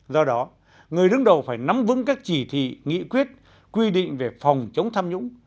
do đó người đứng đầu phải nắm vững các chỉ thị nghị quyết quy định về phòng chống tham nhũng